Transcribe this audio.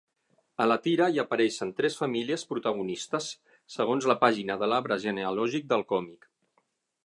A la tira hi apareixen tres famílies protagonistes, segons la pàgina de l'arbre genealògic del còmic.